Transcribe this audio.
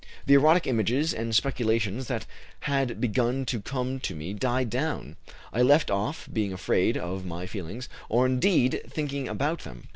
The erotic images and speculations that had begun to come to me died down. I left off being afraid of my feelings, or, indeed, thinking about them.